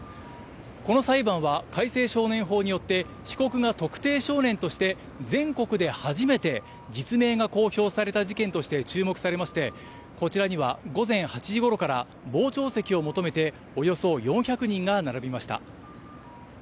この裁判は改正少年法によって被告が特定少年として全国で初めて実名が公表された事件として注目されまして、こちらには午前８時ごろから傍聴席を求めて、およそ４００人が並びました。